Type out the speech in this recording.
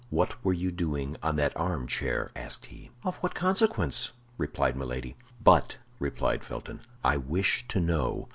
"What were you doing on that armchair?" asked he. "Of what consequence?" replied Milady. "But," replied Felton, "I wish to know."